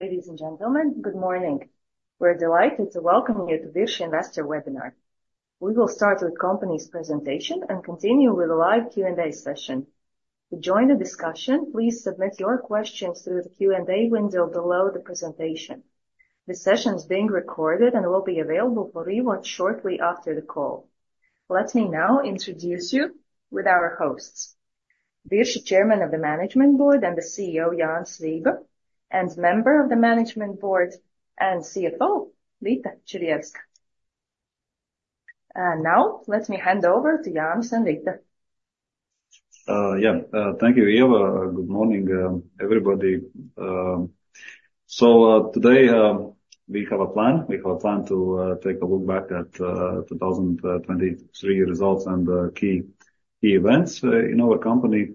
Ladies and gentlemen, good morning. We're delighted to welcomeyou to Virši Investor webinar. We will start with company's presentation and continue with a live Q&A session. To join the discussion, please submit your questions through the Q&A window below the presentation. This session is being recorded and will be available for rewatch shortly after the call. Let me now introduce you with our hosts. Virši's Chairman of the Management Board and the CEO, Jānis Vība, and Member of the Management Board and CFO, Vita Čirjevska. Now let me hand over to Jānis and Vita. Yeah, thank you, Ieva. Good morning, everybody. Today we have a plan. We have a plan to take a look back at 2023 results and key events in our company,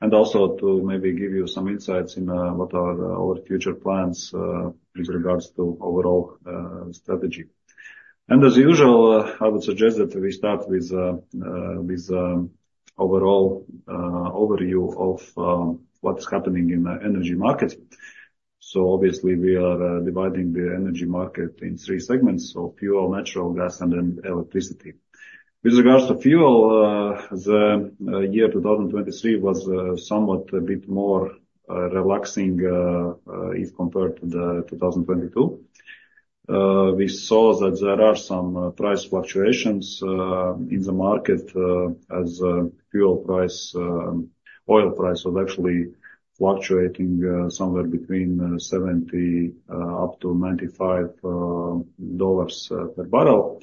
and also to maybe give you some insights in what are our future plans with regards to overall strategy. As usual, I would suggest that we start with an overall overview of what's happening in the energy market. Obviously, we are dividing the energy market in three segments: fuel, natural gas, and then electricity. With regards to fuel, the year 2023 was somewhat a bit more relaxing if compared to 2022. We saw that there are some price fluctuations in the market as fuel price, oil price was actually fluctuating somewhere between $70 up to $95 per barrel.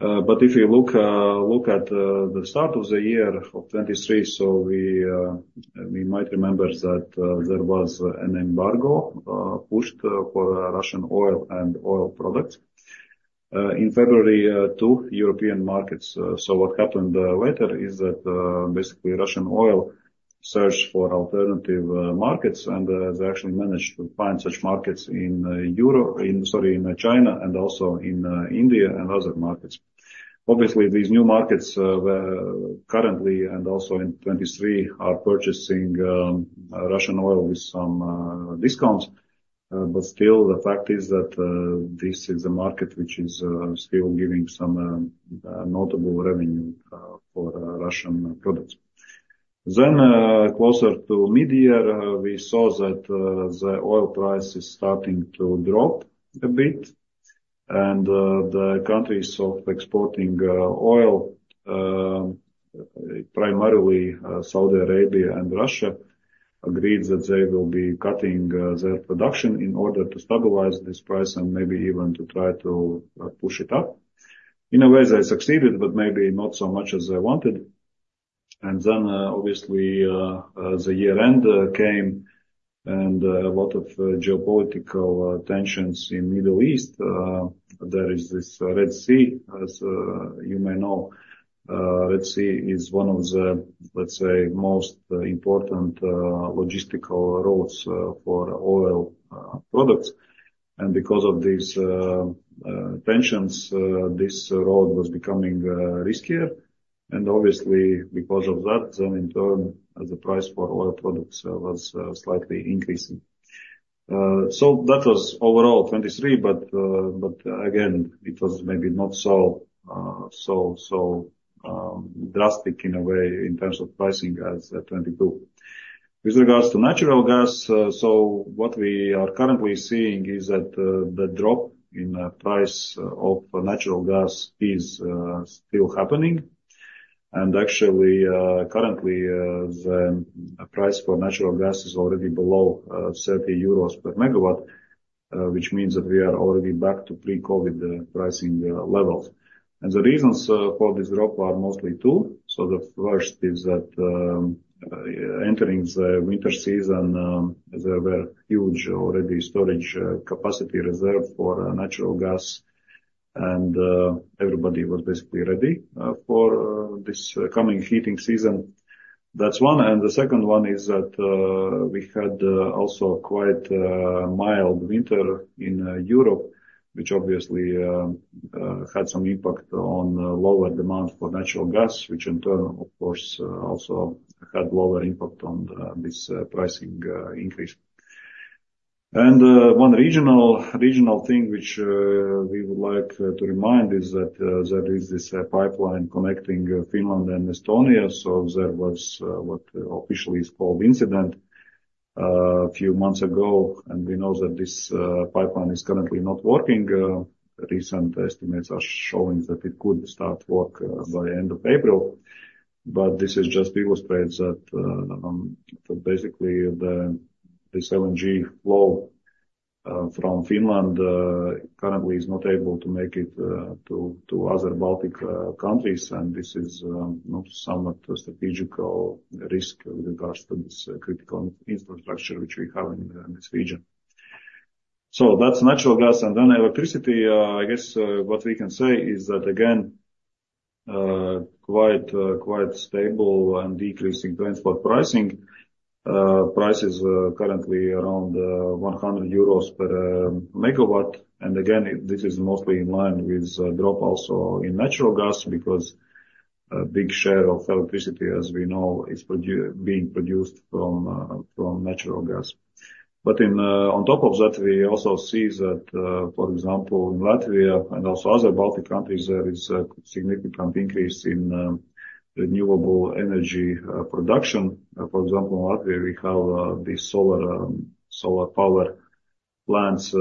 But if you look at the start of the year of 2023, so we might remember that there was an embargo pushed for Russian oil and oil products in February to European markets. So what happened later is that basically Russian oil searched for alternative markets, and they actually managed to find such markets in Europe, sorry, in China, and also in India and other markets. Obviously, these new markets currently and also in 2023 are purchasing Russian oil with some discounts, but still the fact is that this is the market which is still giving some notable revenue for Russian products. Then closer to mid-year, we saw that the oil price is starting to drop a bit, and the countries exporting oil, primarily Saudi Arabia and Russia, agreed that they will be cutting their production in order to stabilize this price and maybe even to try to push it up. In a way, they succeeded, but maybe not so much as they wanted. Then obviously, the year-end came and a lot of geopolitical tensions in the Middle East. There is this Red Sea, as you may know. Red Sea is one of the, let's say, most important logistical routes for oil products. And because of these tensions, this road was becoming riskier. And obviously, because of that, then in turn, the price for oil products was slightly increasing. So that was overall 2023, but again, it was maybe not so, so, so drastic in a way in terms of pricing as 2022. With regards to natural gas, so what we are currently seeing is that the drop in the price of natural gas is still happening. Actually, currently, the price for natural gas is already below 30 euros per MW, which means that we are already back to pre-COVID pricing levels. The reasons for this drop are mostly two. So the first is that entering the winter season, there were huge already storage capacity reserves for natural gas, and everybody was basically ready for this coming heating season. That's one. The second one is that we had also quite mild winter in Europe, which obviously had some impact on lower demand for natural gas, which in turn, of course, also had lower impact on this pricing increase. One regional thing which we would like to remind is that there is this pipeline connecting Finland and Estonia. So there was what officially is called incident a few months ago, and we know that this pipeline is currently not working. Recent estimates are showing that it could start to work by the end of April. But this is just to illustrate that basically this LNG flow from Finland currently is not able to make it to other Baltic countries, and this is somewhat a strategical risk with regards to this critical infrastructure which we have in this region. So that's natural gas. And then electricity, I guess what we can say is that again, quite, quite stable and decreasing transport pricing. Price is currently around 100 euros per MW. And again, this is mostly in line with a drop also in natural gas because a big share of electricity, as we know, is being produced from natural gas. But on top of that, we also see that, for example, in Latvia and also other Baltic countries, there is a significant increase in renewable energy production. For example, in Latvia, we have these solar power plants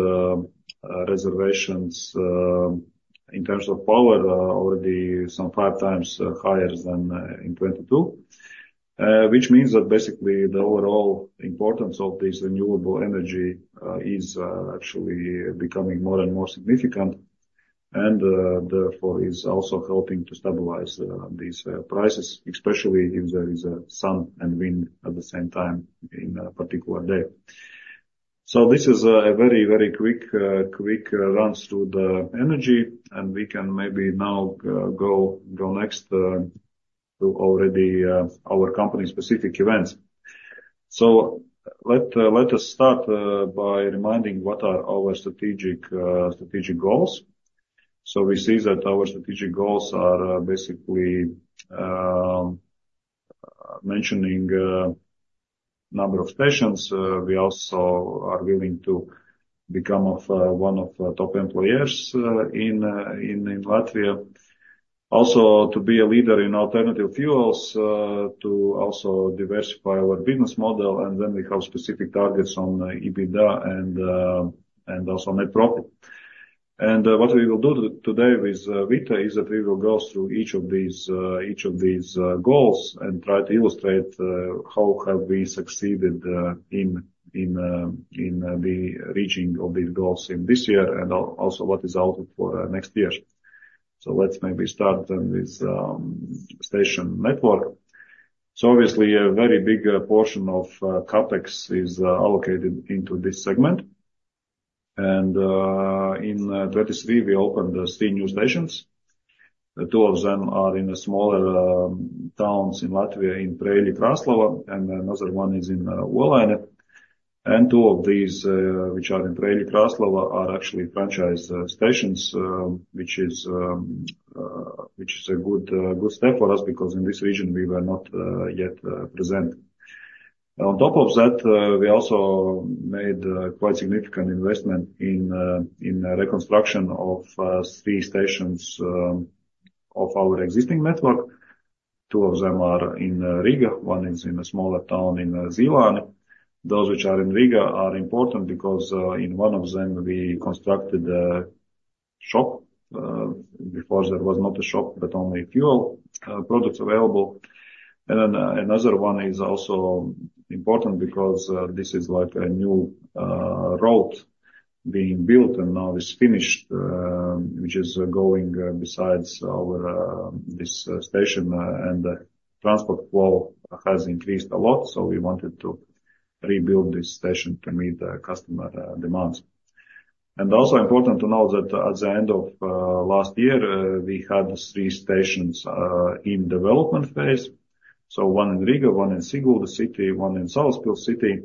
reservations in terms of power already some 5 times higher than in 2022, which means that basically the overall importance of this renewable energy is actually becoming more and more significant, and therefore is also helping to stabilize these prices, especially if there is sun and wind at the same time in a particular day. So this is a very, very quick, quick run through the energy, and we can maybe now go next to already our company-specific events. So let us start by reminding what are our strategic goals. So we see that our strategic goals are basically mentioning the number of stations. We also are willing to become one of the top employers in Latvia, also to be a leader in alternative fuels, to also diversify our business model. Then we have specific targets on EBITDA and also net profit. What we will do today with Vita is that we will go through each of these goals and try to illustrate how have we succeeded in the reaching of these goals in this year and also what is outlook for next year. Let's maybe start then with the station network. Obviously, a very big portion of CapEx is allocated into this segment. In 2023, we opened three new stations. Two of them are in smaller towns in Latvia, in Preiļi and Krāslava, and another one is in Olaine. Two of these which are in Preiļi and Krāslava are actually franchise stations, which is a good step for us because in this region we were not yet present. On top of that, we also made quite significant investment in the reconstruction of three stations of our existing network. Two of them are in Riga, one is in a smaller town in Zīlāni. Those which are in Riga are important because in one of them we constructed a shop before there was not a shop, but only fuel products available. Another one is also important because this is like a new road being built and now is finished, which is going beside this station, and the transport flow has increased a lot. We wanted to rebuild this station to meet customer demands. Also important to note that at the end of last year, we had three stations in the development phase. One in Riga, one in Sigulda City, one in Salaspils City.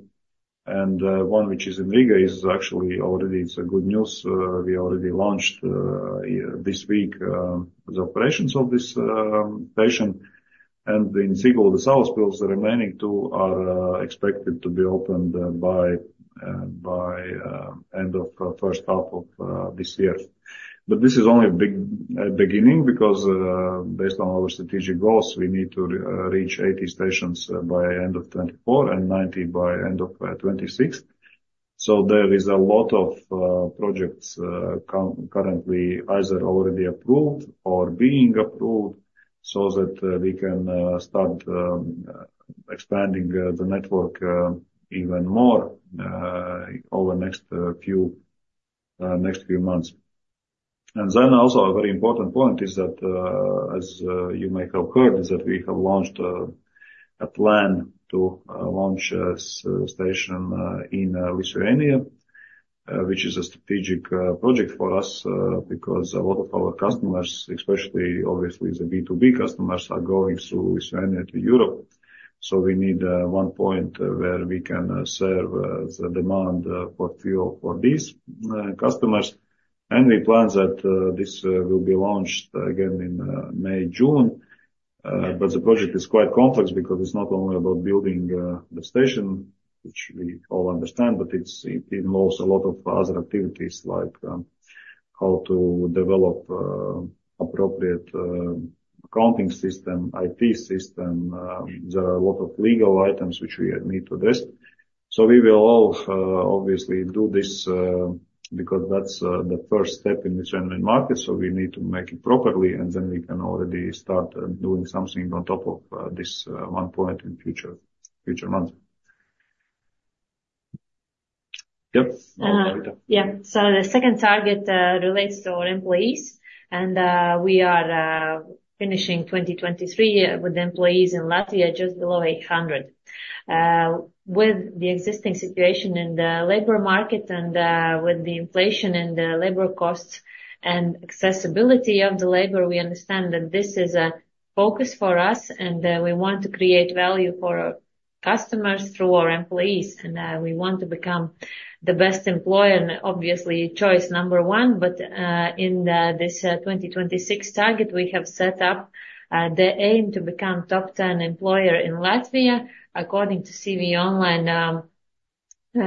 One which is in Riga is actually already good news. We already launched this week the operations of this station. In Sigulda-Salaspils, the remaining two are expected to be opened by the end of the first half of this year. This is only a beginning because based on our strategic goals, we need to reach 80 stations by the end of 2024 and 90 by the end of 2026. There is a lot of projects currently either already approved or being approved so that we can start expanding the network even more over the next few months. Then also a very important point is that, as you may have heard, is that we have launched a plan to launch a station in Lithuania, which is a strategic project for us because a lot of our customers, especially obviously the B2B customers, are going through Lithuania to Europe. We need one point where we can serve the demand for fuel for these customers. We plan that this will be launched again in May, June. The project is quite complex because it's not only about building the station, which we all understand, but it involves a lot of other activities like how to develop an appropriate accounting system, IT system. There are a lot of legal items which we need to address. We will all obviously do this because that's the first step in Lithuanian market. We need to make it properly, and then we can already start doing something on top of this one point in future months. Yep, Vita. Yeah. So the second target relates to our employees, and we are finishing 2023 with employees in Latvia just below 800. With the existing situation in the labor market and with the inflation and the labor costs and accessibility of the labor, we understand that this is a focus for us, and we want to create value for our customers through our employees. And we want to become the best employer, obviously, choice number one. But in this 2026 target, we have set up the aim to become top 10 employer in Latvia according to CV-Online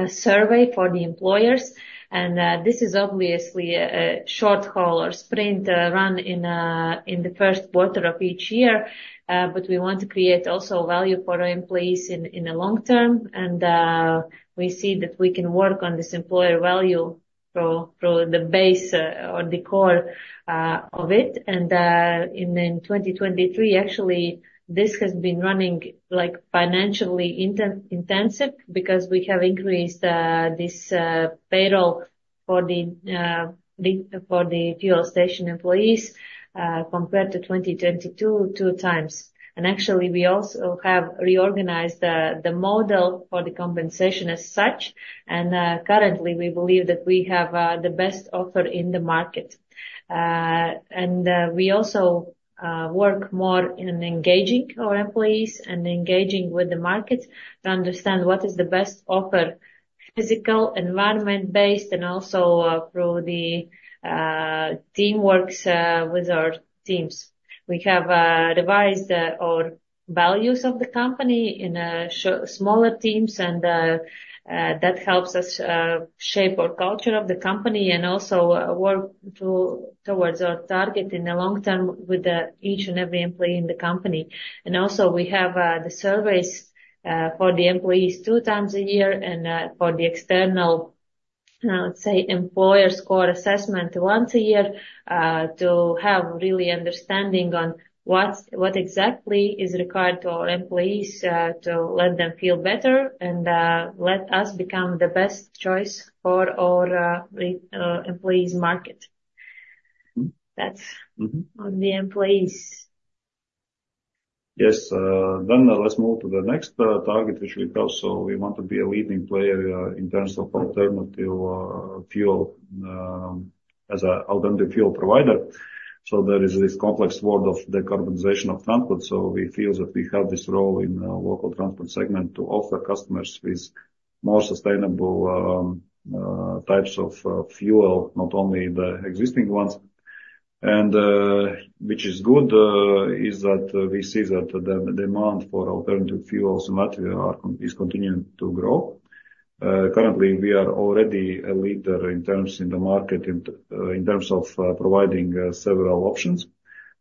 survey for the employers. And this is obviously a short haul or sprint run in the first quarter of each year. But we want to create also value for our employees in the long term. We see that we can work on this employer value through the base or the core of it. In 2023, actually, this has been running financially intensive because we have increased this payroll for the fuel station employees compared to 2022 two times. Actually, we also have reorganized the model for the compensation as such. Currently, we believe that we have the best offer in the market. We also work more in engaging our employees and engaging with the market to understand what is the best offer, physical, environment-based, and also through the teamwork with our teams. We have revised our values of the company in smaller teams, and that helps us shape our culture of the company and also work towards our target in the long term with each and every employee in the company. Also, we have the surveys for the employees two times a year and for the external, let's say, employer score assessment once a year to have really understanding on what exactly is required to our employees to let them feel better and let us become the best choice for our employees' market. That's on the employees. Yes. Then let's move to the next target, which we have. So we want to be a leading player in terms of alternative fuel as an alternative fuel provider. So there is this complex world of decarbonization of transport. So we feel that we have this role in the local transport segment to offer customers with more sustainable types of fuel, not only the existing ones. And which is good is that we see that the demand for alternative fuels in Latvia is continuing to grow. Currently, we are already a leader in terms of providing several options.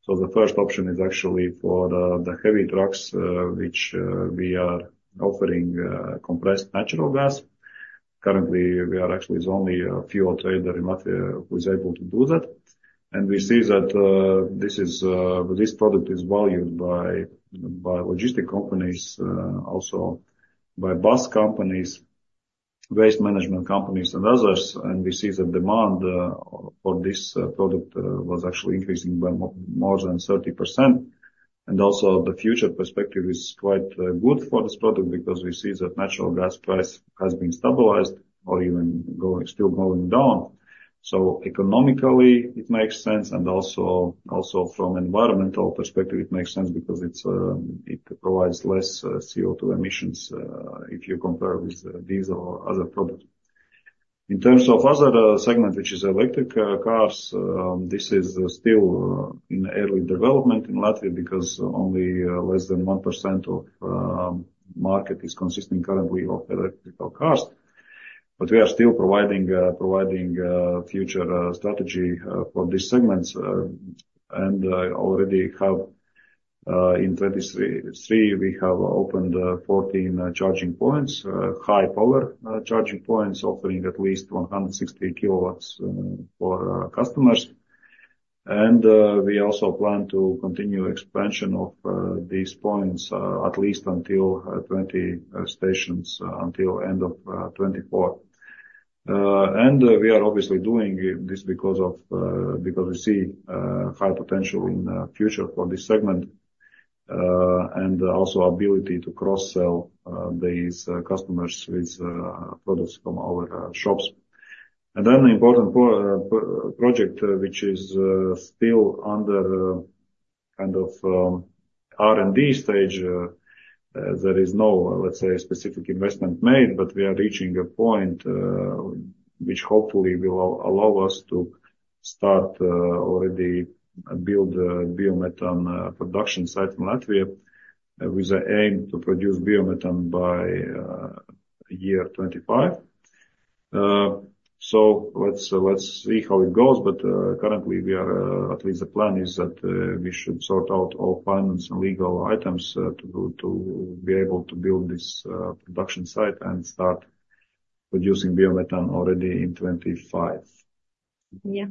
So the first option is actually for the heavy trucks, which we are offering compressed natural gas. Currently, we are actually the only fuel trader in Latvia who is able to do that. We see that this product is valued by logistics companies, also by bus companies, waste management companies, and others. We see that demand for this product was actually increasing by more than 30%. The future perspective is quite good for this product because we see that natural gas price has been stabilized or even still going down. So economically, it makes sense. From an environmental perspective, it makes sense because it provides less CO2 emissions if you compare with diesel or other products. In terms of other segment, which is electric cars, this is still in early development in Latvia because only less than 1% of the market is consisting currently of electric cars. But we are still providing future strategy for these segments. Already in 2023, we have opened 14 charging points, high-power charging points, offering at least 160 kW for customers. We also plan to continue expansion of these points at least until 20 stations until the end of 2024. We are obviously doing this because we see high potential in the future for this segment and also the ability to cross-sell these customers with products from our shops. Then the important project, which is still under kind of R&D stage, there is no, let's say, specific investment made, but we are reaching a point which hopefully will allow us to start already building biomethane production sites in Latvia with the aim to produce biomethane by year 2025. Let's see how it goes. Currently, at least the plan is that we should sort out all finance and legal items to be able to build this production site and start producing biomethane already in 2025. Yeah.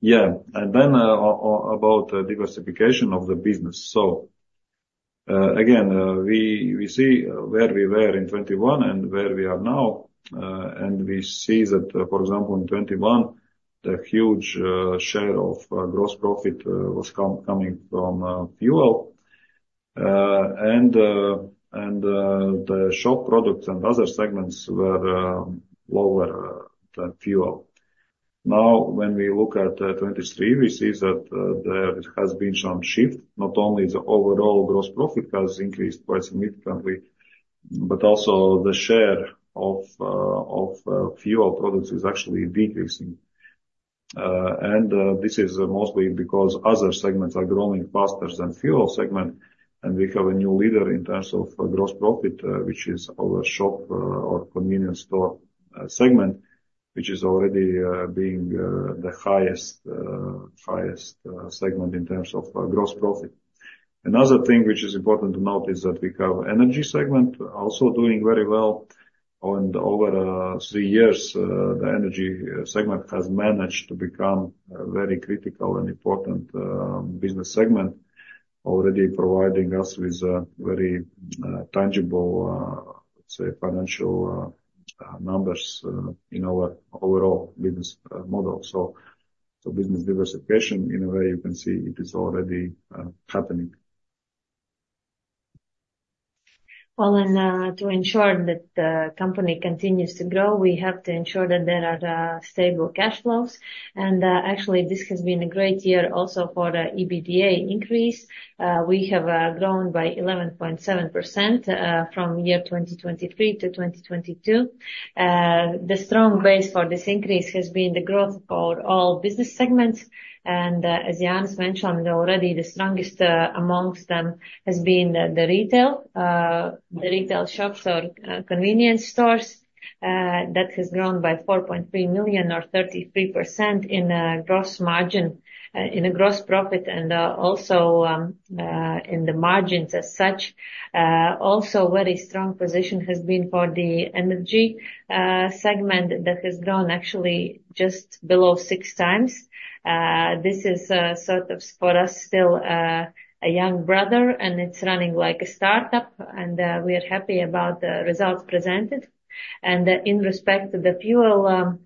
Yeah. And then about diversification of the business. So again, we see where we were in 2021 and where we are now. And we see that, for example, in 2021, the huge share of gross profit was coming from fuel. And the shop products and other segments were lower than fuel. Now, when we look at 2023, we see that there has been some shift. Not only the overall gross profit has increased quite significantly, but also the share of fuel products is actually decreasing. And this is mostly because other segments are growing faster than the fuel segment. And we have a new leader in terms of gross profit, which is our shop or convenience store segment, which is already being the highest segment in terms of gross profit. Another thing which is important to note is that we have the energy segment also doing very well. Over three years, the energy segment has managed to become a very critical and important business segment, already providing us with very tangible, let's say, financial numbers in our overall business model. Business diversification, in a way, you can see it is already happening. Well, and to ensure that the company continues to grow, we have to ensure that there are stable cash flows. Actually, this has been a great year also for the EBITDA increase. We have grown by 11.7% from year 2023 to 2022. The strong base for this increase has been the growth for all business segments. As Jānis mentioned, already the strongest amongst them has been the retail, the retail shops or convenience stores. That has grown by 4.3 million or 33% in the gross margin, in the gross profit, and also in the margins as such. Also, a very strong position has been for the energy segment that has grown actually just below 6x. This is sort of for us still a young brother, and it's running like a startup. We are happy about the results presented. In respect to the fuel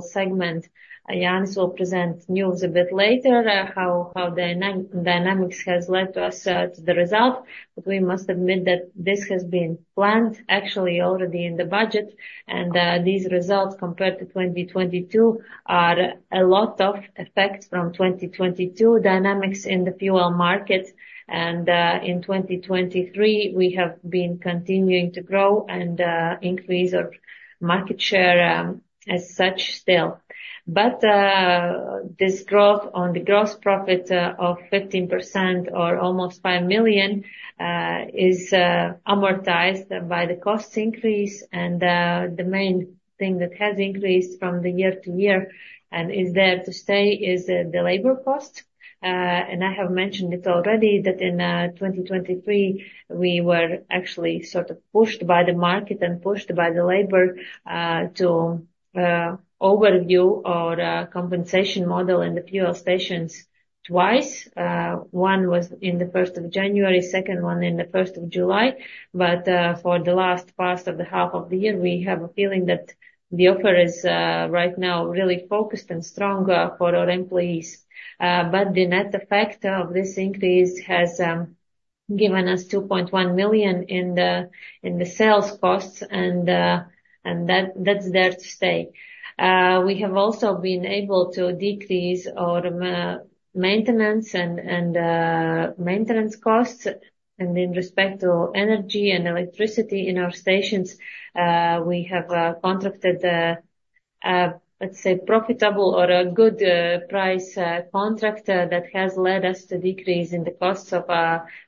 segment, Jānis will present news a bit later how the dynamics have led to us to the result. But we must admit that this has been planned actually already in the budget. These results compared to 2022 are a lot of effects from 2022 dynamics in the fuel market. In 2023, we have been continuing to grow and increase our market share as such still. But this growth on the gross profit of 15% or almost 5 million is amortized by the cost increase. The main thing that has increased from year to year and is there to stay is the labor cost. I have mentioned it already that in 2023, we were actually sort of pushed by the market and pushed by the labor to overview our compensation model in the fuel stations twice. One was on the 1st of January, second one on the July 1st. For the last part of the half of the year, we have a feeling that the offer is right now really focused and strong for our employees. The net effect of this increase has given us 2.1 million in the sales costs, and that's there to stay. We have also been able to decrease our maintenance and maintenance costs. In respect to energy and electricity in our stations, we have contracted, let's say, a profitable or a good-price contract that has led us to decrease in the costs of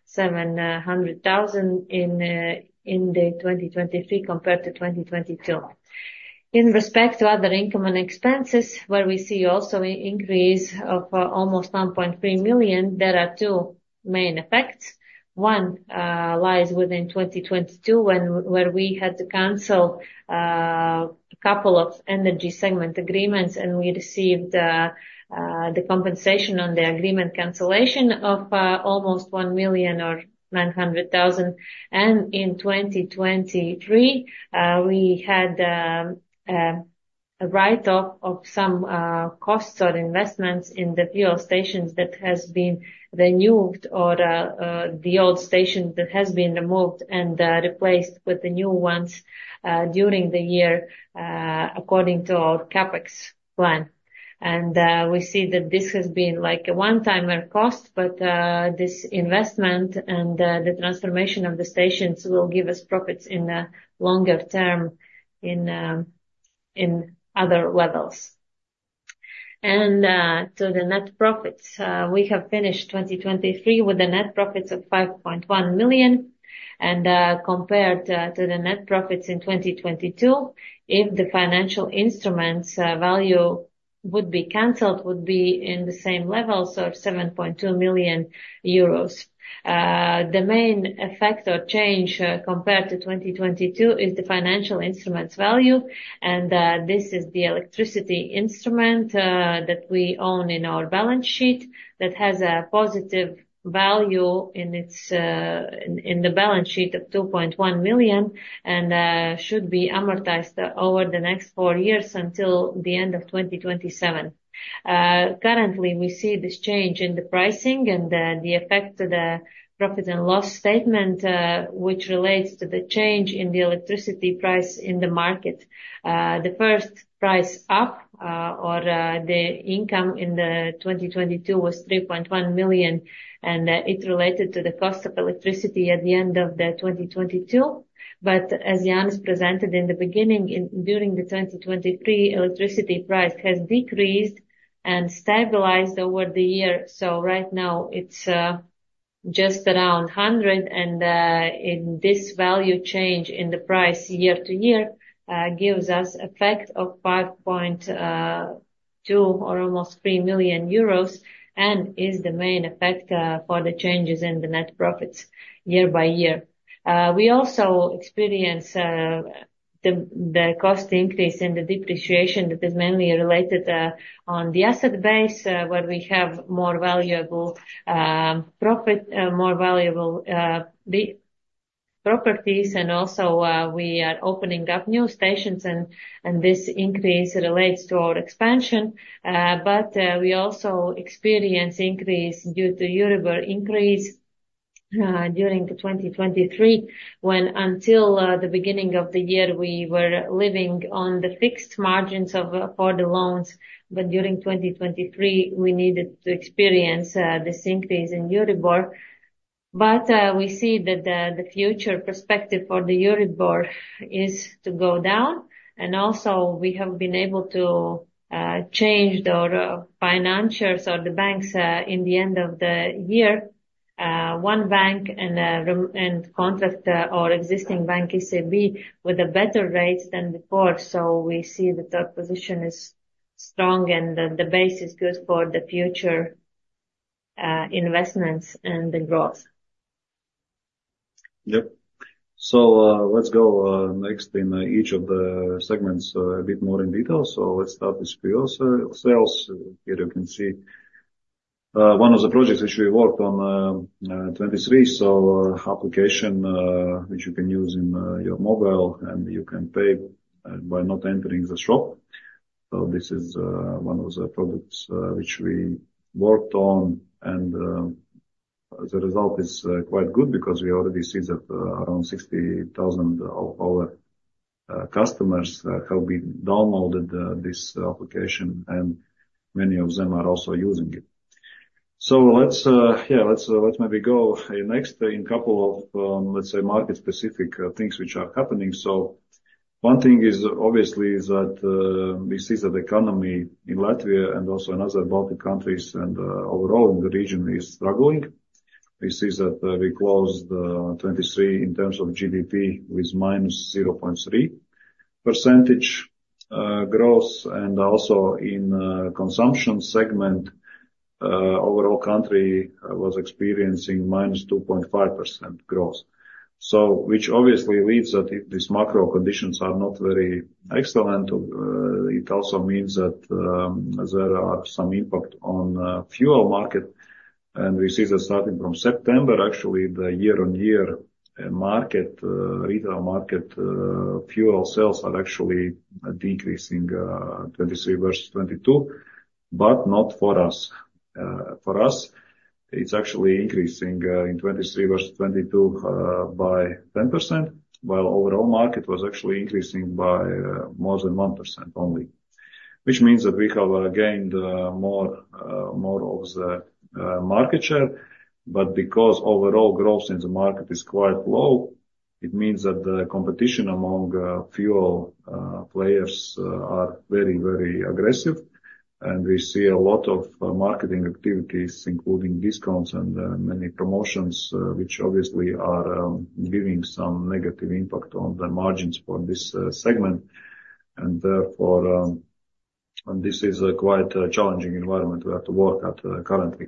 700,000 in 2023 compared to 2022. In respect to other income and expenses, where we see also an increase of almost 1.3 million, there are two main effects. One lies within 2022 where we had to cancel a couple of energy segment agreements, and we received the compensation on the agreement cancellation of almost 1 million or 900,000. In 2023, we had a write-off of some costs or investments in the fuel stations that have been renewed or the old station that has been removed and replaced with the new ones during the year according to our CapEx plan. We see that this has been like a one-timer cost, but this investment and the transformation of the stations will give us profits in the longer term in other levels. To the net profits, we have finished 2023 with a net profit of 5.1 million. Compared to the net profits in 2022, if the financial instruments value would be canceled, it would be in the same level, so 7.2 million euros. The main effect or change compared to 2022 is the financial instruments value. This is the electricity instrument that we own in our balance sheet that has a positive value in the balance sheet of 2.1 million and should be amortized over the next four years until the end of 2027. Currently, we see this change in the pricing and the effect to the profit and loss statement, which relates to the change in the electricity price in the market. The first price up or the income in 2022 was 3.1 million, and it related to the cost of electricity at the end of 2022. As Jānis presented in the beginning, during 2023, the electricity price has decreased and stabilized over the year. Right now, it's just around 100. This value change in the price year to year gives us an effect of 5.2 or almost 3 million euros and is the main effect for the changes in the net profits year by year. We also experience the cost increase and the depreciation that is mainly related on the asset base, where we have more valuable properties and also we are opening up new stations. This increase relates to our expansion. But we also experience an increase due to Euribor increase during 2023 when, until the beginning of the year, we were living on the fixed margins for the loans. During 2023, we needed to experience this increase in Euribor. We see that the future perspective for the Euribor is to go down. We have also been able to change the financials or the banks in the end of the year. One bank and contract our existing bank, SEB, with better rates than before. So we see that our position is strong and that the base is good for the future investments and the growth. Yep. So let's go next in each of the segments a bit more in detail. So let's start with fuel sales. Here, you can see one of the projects which we worked on in 2023, so an application which you can use in your mobile, and you can pay by not entering the shop. So this is one of the products which we worked on. And the result is quite good because we already see that around 60,000 of our customers have been downloaded this application, and many of them are also using it. So yeah, let's maybe go next in a couple of, let's say, market-specific things which are happening. So one thing is obviously that we see that the economy in Latvia and also in other Baltic countries and overall in the region is struggling. We see that we closed 2023 in terms of GDP with -0.3% growth. Also in the consumption segment, the overall country was experiencing -2.5% growth, which obviously leads that if these macro conditions are not very excellent, it also means that there is some impact on the fuel market. We see that starting from September, actually, the year-on-year retail market fuel sales are actually decreasing in 2023 versus 2022, but not for us. For us, it's actually increasing in 2023 versus 2022 by 10%, while the overall market was actually increasing by more than 1% only, which means that we have gained more of the market share. But because overall growth in the market is quite low, it means that the competition among fuel players is very, very aggressive. We see a lot of marketing activities, including discounts and many promotions, which obviously are giving some negative impact on the margins for this segment. This is a quite challenging environment we have to work at currently.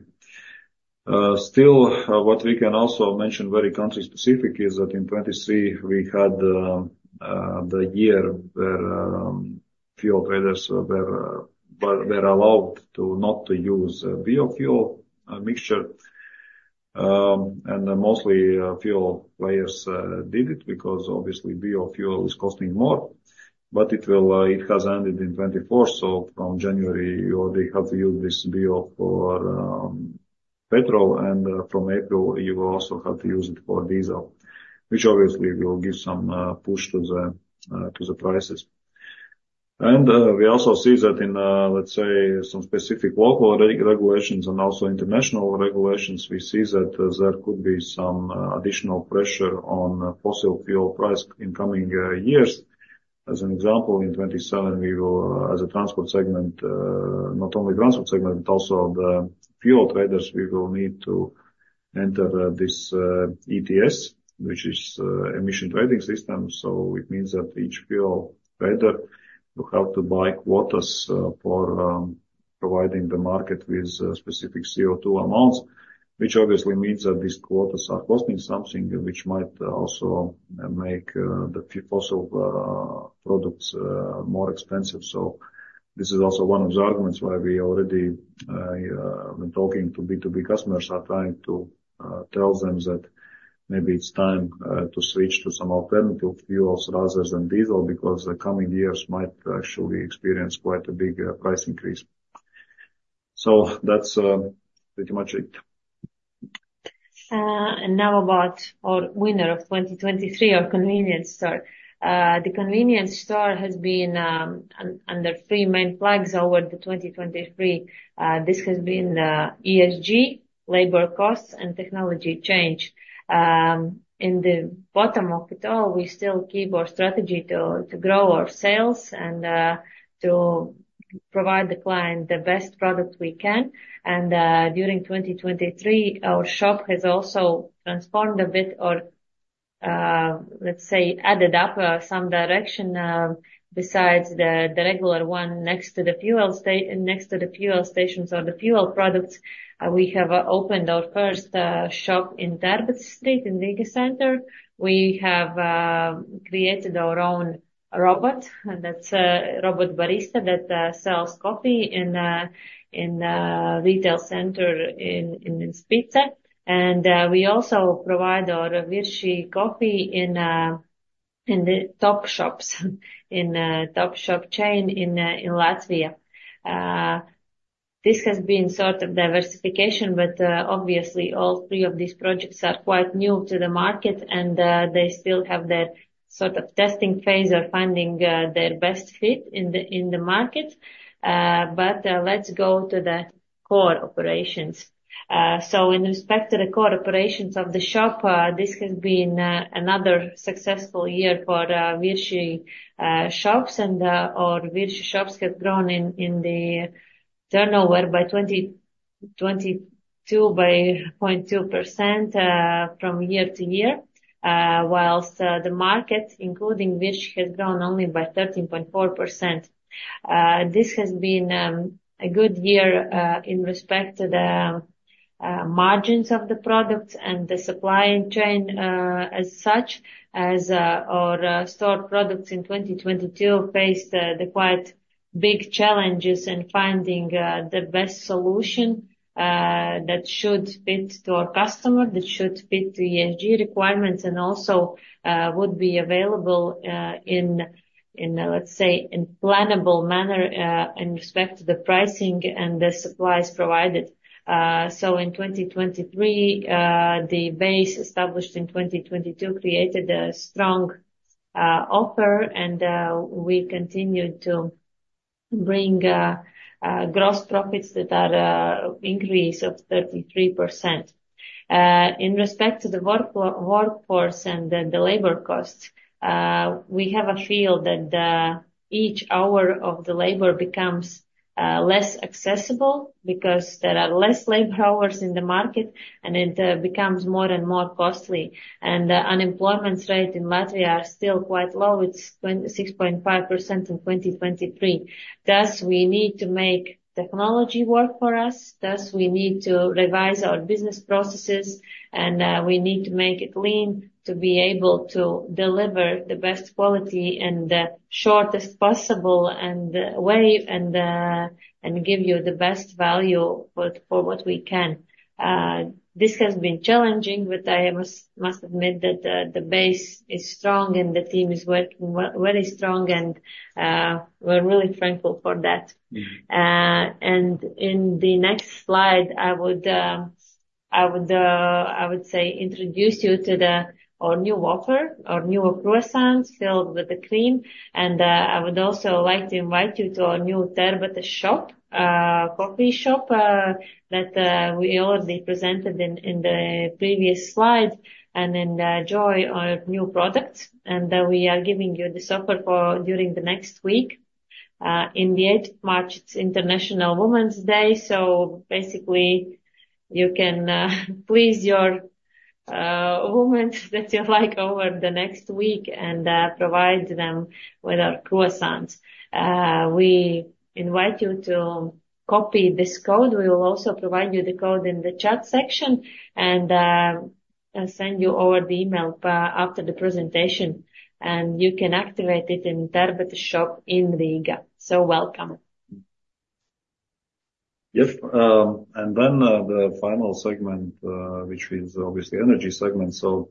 Still, what we can also mention very country-specific is that in 2023, we had the year where fuel traders were allowed not to use a biofuel mixture. Mostly fuel players did it because, obviously, biofuel is costing more. But it has ended in 2024. From January, you already have to use this bio for petrol. From April, you will also have to use it for diesel, which obviously will give some push to the prices. We also see that in, let's say, some specific local regulations and also international regulations, we see that there could be some additional pressure on fossil fuel prices in the coming years. As an example, in 2027, we will, as a transport segment, not only transport segment, but also the fuel traders, we will need to enter this ETS, which is an Emission Trading System. So it means that each fuel trader will have to buy quotas for providing the market with specific CO2 amounts, which obviously means that these quotas are costing something, which might also make the fossil products more expensive. So this is also one of the arguments why we already have been talking to B2B customers and trying to tell them that maybe it's time to switch to some alternative fuels rather than diesel because the coming years might actually experience quite a big price increase. So that's pretty much it. Now about our winner of 2023, our convenience store. The convenience store has been under three main flags over 2023. This has been ESG, labor costs, and technology change. In the bottom of it all, we still keep our strategy to grow our sales and to provide the client the best product we can. During 2023, our shop has also transformed a bit or, let's say, added up some direction besides the regular one next to the fuel stations or the fuel products. We have opened our first shop in Tērbatas iela in the center of Riga. We have created our own robot. That's a robot barista that sells coffee in a retail center in Spice. And we also provide our Virši coffee in the top! shops in the top! shop chain in Latvia. This has been sort of diversification, but obviously, all three of these projects are quite new to the market, and they still have their sort of testing phase or finding their best fit in the market. Let's go to the core operations. In respect to the core operations of the shop, this has been another successful year for Virši shops. Our Virši shops have grown in the turnover by 22.2% year-over-year, while the market, including Virši, has grown only by 13.4%. This has been a good year in respect to the margins of the products and the supply chain as such. Our store products in 2022 faced quite big challenges in finding the best solution that should fit our customer, that should fit the ESG requirements, and also would be available in, let's say, a plannable manner in respect to the pricing and the supplies provided. So in 2023, the base established in 2022 created a strong offer, and we continued to bring gross profits that are an increase of 33%. In respect to the workforce and the labor costs, we have a feel that each hour of the labor becomes less accessible because there are fewer labor hours in the market, and it becomes more and more costly. And the unemployment rate in Latvia is still quite low. It's 6.5% in 2023. Thus, we need to make technology work for us. Thus, we need to revise our business processes, and we need to make it lean to be able to deliver the best quality in the shortest possible way and give you the best value for what we can. This has been challenging, but I must admit that the base is strong, and the team is working very strong. We're really thankful for that. In the next slide, I would say introduce you to our new offer: our new croissants filled with cream. I would also like to invite you to our new Tērbatas shop, a coffee shop that we already presented in the previous slide, and enjoy our new products. We are giving you this offer during the next week. On the 8th of March, it's International Women's Day. So basically, you can please your women that you like over the next week and provide them with our croissants. We invite you to copy this code. We will also provide you the code in the chat section and send you over the email after the presentation. You can activate it in Tērbatas shop in Riga. So welcome. Yep. And then the final segment, which is obviously the energy segment. So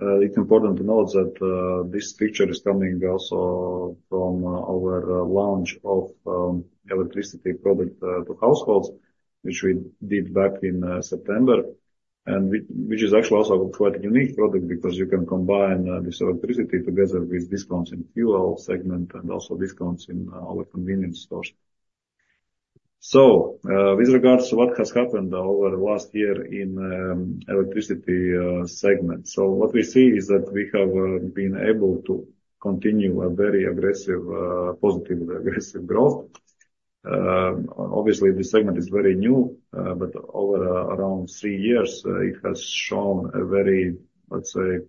it's important to note that this picture is coming also from our launch of electricity products to households, which we did back in September, and which is actually also a quite unique product because you can combine this electricity together with discounts in the fuel segment and also discounts in our convenience stores. So with regards to what has happened over the last year in the electricity segment, so what we see is that we have been able to continue a very aggressive, positively aggressive growth. Obviously, this segment is very new, but over around three years, it has shown very, let's say,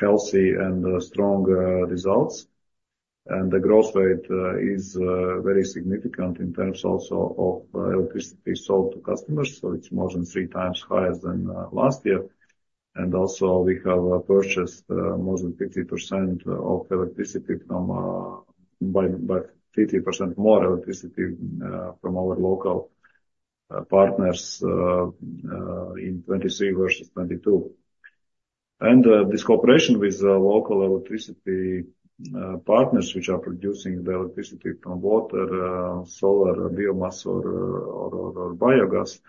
healthy and strong results. And the growth rate is very significant in terms also of electricity sold to customers. So it's more than three times higher than last year. We have also purchased more than 50% of electricity from by 50% more electricity from our local partners in 2023 versus 2022. This cooperation with local electricity partners, which are producing the electricity from water, solar, biomass, or biogas,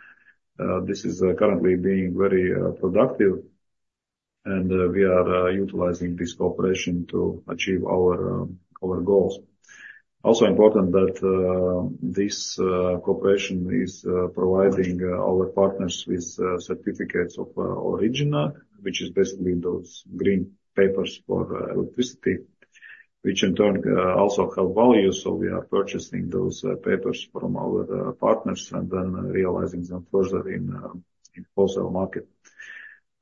this is currently being very productive. We are utilizing this cooperation to achieve our goals. Also important that this cooperation is providing our partners with certificates of origin, which is basically those green papers for electricity, which in turn also have value. We are purchasing those papers from our partners and then realizing them further in the wholesale market.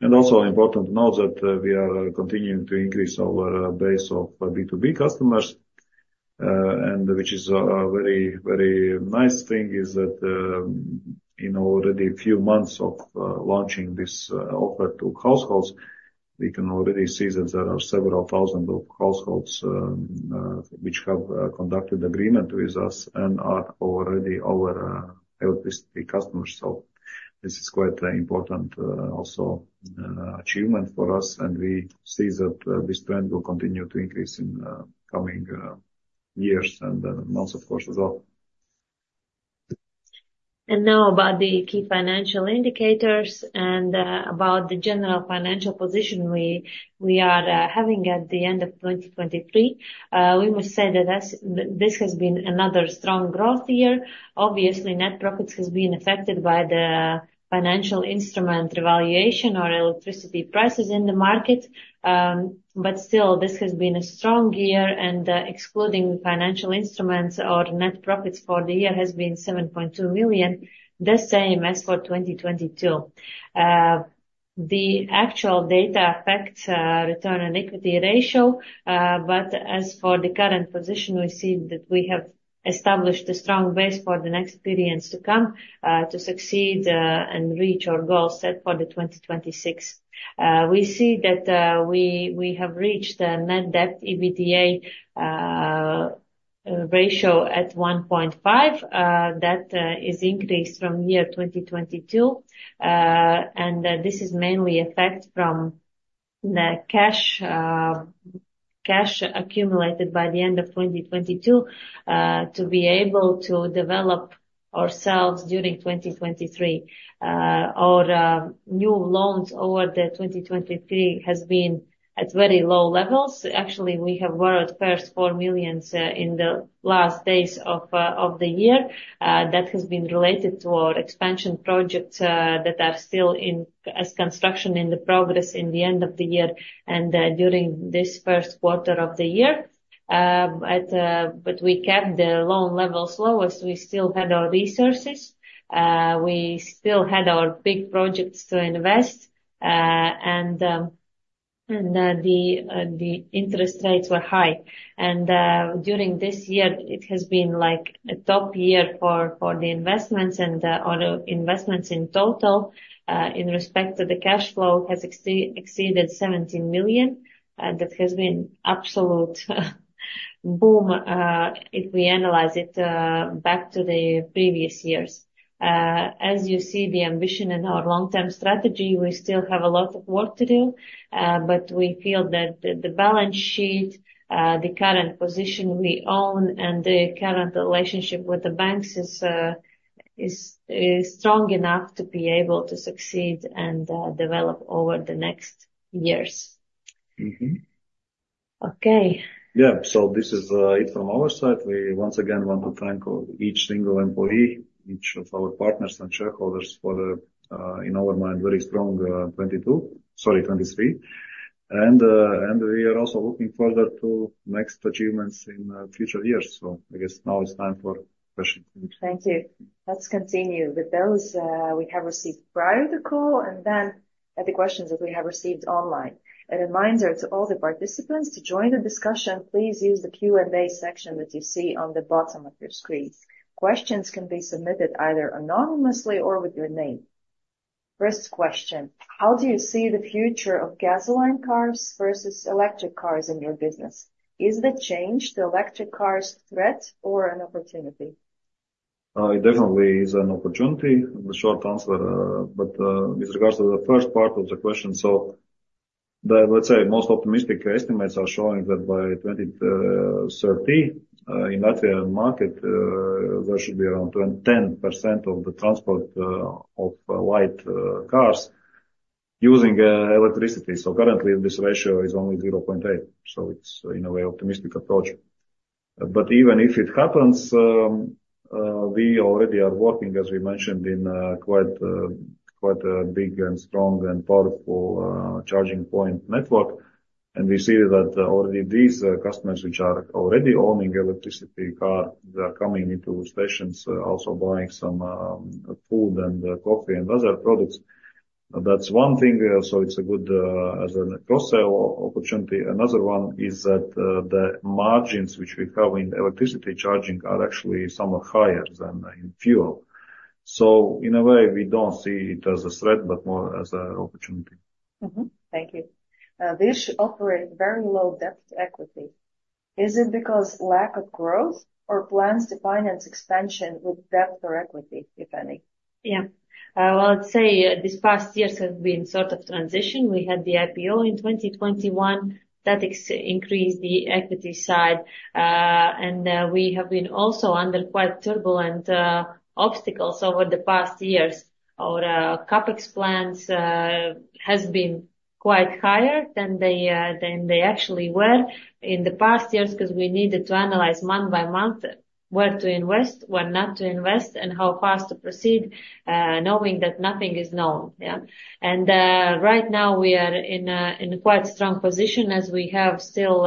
Also important to note that we are continuing to increase our base of B2B customers. And which is a very, very nice thing is that in already a few months of launching this offer to households, we can already see that there are several thousand households which have conducted agreements with us and are already our electricity customers. So this is quite an important also achievement for us. And we see that this trend will continue to increase in the coming years and months, of course, as well. Now about the key financial indicators and about the general financial position we are having at the end of 2023, we must say that this has been another strong growth year. Obviously, net profits have been affected by the financial instrument revaluation or electricity prices in the market. Still, this has been a strong year. Excluding financial instruments, our net profits for the year have been 7.2 million, the same as for 2022. The actual data affects the return on equity ratio. As for the current position, we see that we have established a strong base for the next period to come to succeed and reach our goals set for 2026. We see that we have reached a net debt EBITDA ratio at 1.5. That is increased from year 2022. This is mainly affected from the cash accumulated by the end of 2022 to be able to develop ourselves during 2023. Our new loans over 2023 have been at very low levels. Actually, we have borrowed first 4 million in the last days of the year. That has been related to our expansion projects that are still in construction, in progress in the end of the year and during this first quarter of the year. We kept the loan levels low as we still had our resources. We still had our big projects to invest. The interest rates were high. During this year, it has been a top year for the investments. Our investments in total in respect to the cash flow have exceeded 17 million. That has been an absolute boom if we analyze it back to the previous years. As you see, the ambition in our long-term strategy, we still have a lot of work to do. But we feel that the balance sheet, the current position we own, and the current relationship with the banks is strong enough to be able to succeed and develop over the next years. Okay. Yeah. So this is it from our side. We once again want to thank each single employee, each of our partners and shareholders for, in our mind, a very strong 2023. And we are also looking further to next achievements in future years. So I guess now it's time for questions. Thank you. Let's continue with those we have received prior to the call and then the questions that we have received online. A reminder to all the participants to join the discussion, please use the Q&A section that you see on the bottom of your screen. Questions can be submitted either anonymously or with your name. First question: How do you see the future of gasoline cars versus electric cars in your business? Is the change to electric cars a threat or an opportunity? It definitely is an opportunity, the short answer. But with regards to the first part of the question, so let's say most optimistic estimates are showing that by 2030, in Latvia market, there should be around 10% of the transport of light cars using electricity. So currently, this ratio is only 0.8%. So it's, in a way, an optimistic approach. But even if it happens, we already are working, as we mentioned, in quite a big and strong and powerful charging point network. And we see that already these customers, which are already owning an electric car, they are coming into stations, also buying some food and coffee and other products. That's one thing. So it's a good cross-sale opportunity. Another one is that the margins which we have in electric charging are actually somewhat higher than in fuel. In a way, we don't see it as a threat, but more as an opportunity. Thank you. Virši operates very low debt to equity. Is it because of lack of growth or plans to finance expansion with debt or equity, if any? Yeah. Well, I'd say these past years have been sort of transition. We had the IPO in 2021. That increased the equity side. And we have been also under quite turbulent obstacles over the past years. Our CapEx plans have been quite higher than they actually were in the past years because we needed to analyze month by month where to invest, where not to invest, and how fast to proceed, knowing that nothing is known. Yeah. And right now, we are in a quite strong position as we have still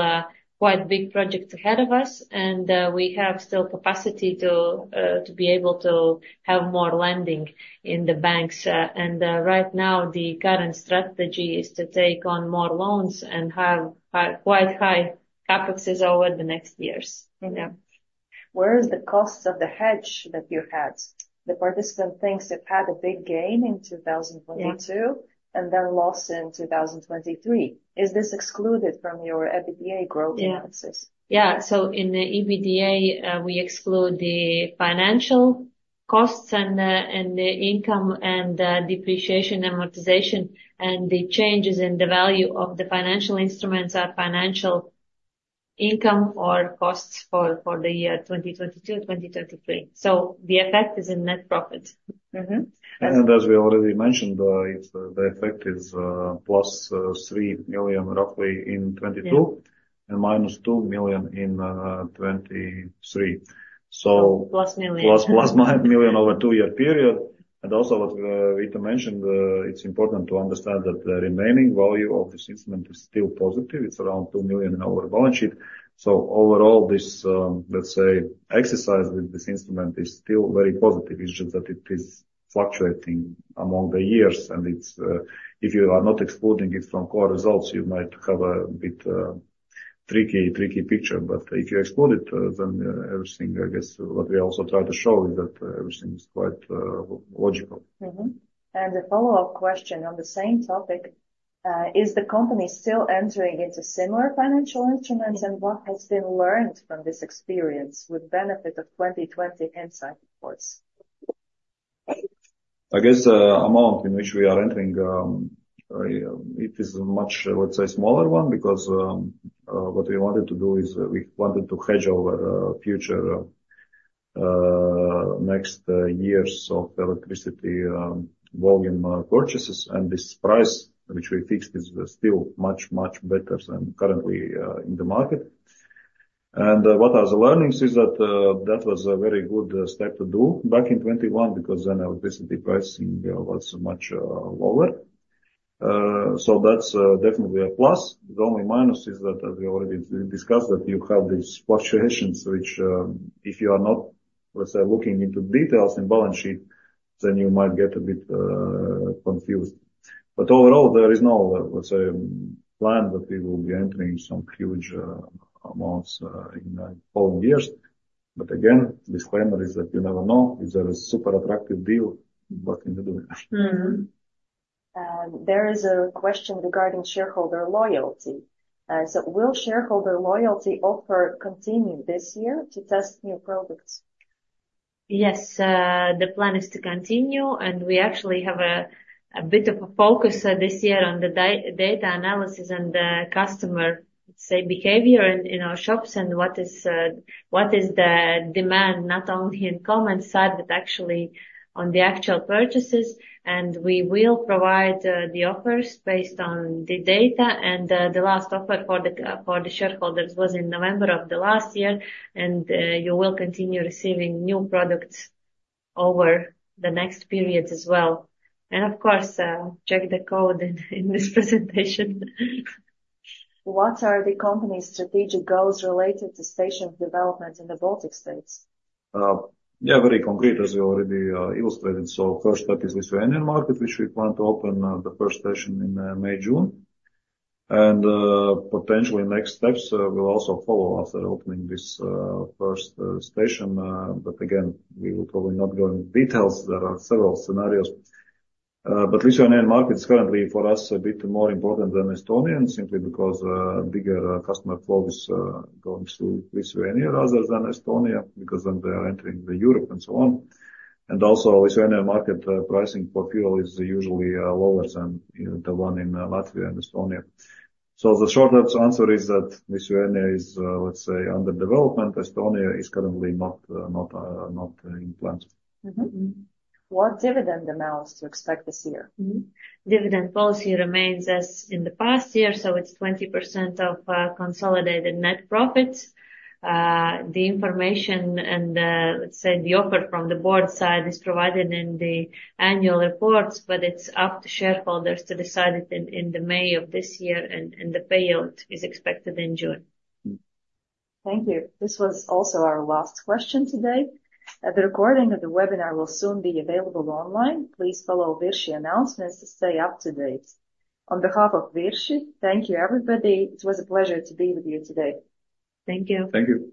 quite big projects ahead of us. And we have still capacity to be able to have more lending in the banks. And right now, the current strategy is to take on more loans and have quite high CapExes over the next years. Yeah. Where are the costs of the hedge that you had? The participant thinks they've had a big gain in 2022 and then loss in 2023. Is this excluded from your EBITDA growth analysis? Yeah. In the EBITDA, we exclude the financial costs and the income and depreciation amortization. The changes in the value of the financial instruments are financial income or costs for the year 2022, 2023. The effect is in net profit. As we already mentioned, the effect is +3 million roughly in 2022 and -2 million in 2023. Plus 1 million over a two-year period. Also what Vita mentioned, it's important to understand that the remaining value of this instrument is still positive. It's around 2 million in our balance sheet. So overall, let's say, the exercise with this instrument is still very positive. It's just that it is fluctuating among the years. And if you are not excluding it from core results, you might have a bit tricky picture. But if you exclude it, then everything, I guess what we also try to show is that everything is quite logical. A follow-up question on the same topic: Is the company still entering into similar financial instruments? What has been learned from this experience with the benefit of 2020 insight reports? I guess the amount in which we are entering, it is a much, let's say, smaller one because what we wanted to do is we wanted to hedge over future next years of electricity volume purchases. This price, which we fixed, is still much, much better than currently in the market. What are the learnings? It's that that was a very good step to do back in 2021 because then electricity pricing was much lower. That's definitely a plus. The only minus is that, as we already discussed, that you have these fluctuations, which if you are not, let's say, looking into details in the balance sheet, then you might get a bit confused. Overall, there is no, let's say, plan that we will be entering some huge amounts in the following years. But again, disclaimer is that you never know if there is a super attractive deal, but in the doing. There is a question regarding shareholder loyalty. Will shareholder loyalty offer continue this year to test new products? Yes. The plan is to continue. We actually have a bit of a focus this year on the data analysis and the customer, let's say, behavior in our shops and what is the demand not only in the convenience side but actually on the actual purchases. We will provide the offers based on the data. The last offer for the shareholders was in November of the last year. You will continue receiving new products over the next period as well. Of course, check the code in this presentation. What are the company's strategic goals related to station development in the Baltic States? Yeah, very concrete, as we already illustrated. So first step is with the Estonian market, which we plan to open the first station in May, June. And potentially, next steps will also follow after opening this first station. But again, we will probably not go into details. There are several scenarios. But Lithuanian market is currently for us a bit more important than Estonian simply because bigger customer flow is going through Lithuania rather than Estonia because then they are entering Europe and so on. And also, Lithuanian market pricing for fuel is usually lower than the one in Latvia and Estonia. So the short answer is that Lithuania is, let's say, under development. Estonia is currently not in plans. What dividend amounts do you expect this year? Dividend policy remains as in the past year. So it's 20% of consolidated net profits. The information and, let's say, the offer from the board side is provided in the annual reports. But it's up to shareholders to decide it in May of this year. And the payout is expected in June. Thank you. This was also our last question today. The recording of the webinar will soon be available online. Please follow Virši announcements to stay up to date. On behalf of Virši, thank you, everybody. It was a pleasure to be with you today. Thank you. Thank you.